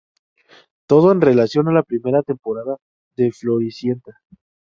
Todo en relación a la primera temporada de Floricienta.